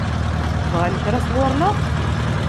Bɣan kra sɣur-neɣ?